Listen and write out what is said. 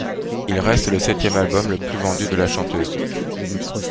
Il reste le septième album le plus vendu de la chanteuse.